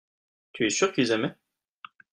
tu es sûr qu'ils aimaient.